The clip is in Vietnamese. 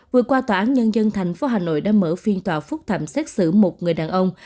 vừa qua tòa án nhân dân tp hà nội đã mở phiên tòa phúc thẩm xét xử một người đàn ông